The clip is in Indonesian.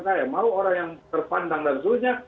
saya mau orang yang terpandang dan sebagainya